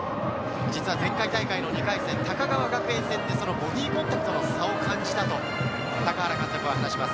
前回大会の２回戦、高川学園戦でボディーコンタクトの差を感じたと高原監督は話します。